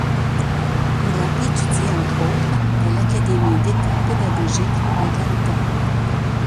Il a étudié entre autres à l'Académie d'État pédagogique de l'Altaï.